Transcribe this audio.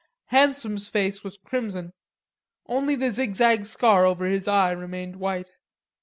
Handsome's face was crimson. Only the zigzag scar over his eye remained white.